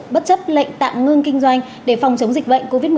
bất chấp lệnh tạm ngưng kinh doanh để phòng chống dịch bệnh covid một mươi chín